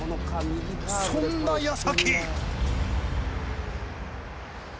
そんな矢先！